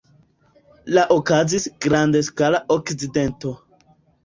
La okazis grandskala akcidento.